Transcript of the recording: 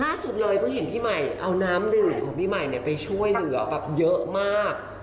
ล่าสุดเลยเพิ่งเห็นพี่ใหม่เอาน้ำดื่มของพี่ใหม่ไปช่วยเหลือแบบเยอะมาก